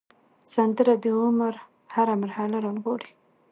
سندره د عمر هره مرحله رانغاړي